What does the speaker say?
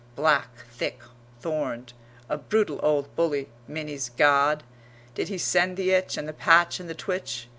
black, thick, thorned a brutal old bully Minnie's God! Did he send the itch and the patch and the twitch?